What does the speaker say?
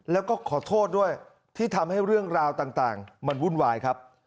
แล้วก็ขอโทษด้วยที่ทำให้เรื่องราวต่างมันวุ่นวายครับ